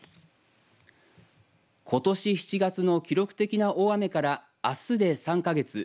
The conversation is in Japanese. ことし７月の記録的な大雨からあすで３か月。